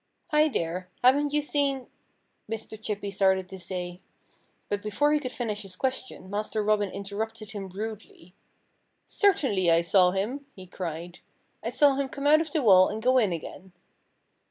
"Hi, there! Haven't you seen " Mr. Chippy started to say. But before he could finish his question Master Robin interrupted him rudely. "Certainly I saw him," he cried. "I saw him come out of the wall and go in again."